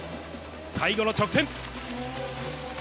最後の直線。